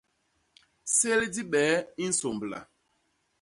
Sél dibee i nsômbla.